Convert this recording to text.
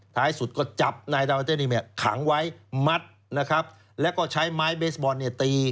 ท้ายสุดก็จับนายดาวนาเติศขังไว้มัดนะครับแล้วก็ใช้ไม้เบสบอร์ดตี